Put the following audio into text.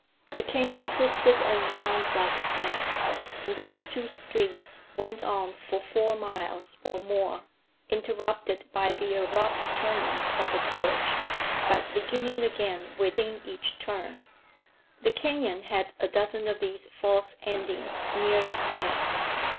The canyon twisted and wound like a snake, and these two streets went on for four miles or more, interrupted by the abrupt turnings of the gorge, but beginning again within each turn. The canyon had a dozen of these false endings near its head.